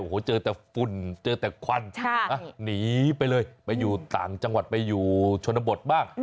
โอ้โหเจอแต่ฝุ่นเจอแต่ควันหนีไปเลยไปอยู่ต่างจังหวัดไปอยู่ชนบทบ้าง